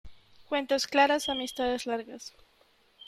Cuentas claras, amistades largas.